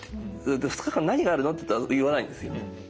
「２日間何があるの？」って言っても言わないんですけど。